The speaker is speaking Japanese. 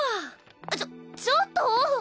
あっちょちょっと！